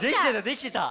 できてた！